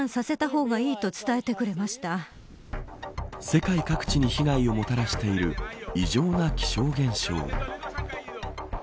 世界各地に被害をもたらしている異常な気象現象。